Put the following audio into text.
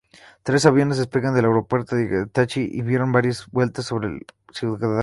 Tres aviones despegaron del aeropuerto de Tachikawa y dieron varias vueltas sobre la ciudad.